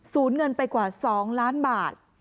เงินไปกว่า๒ล้านบาท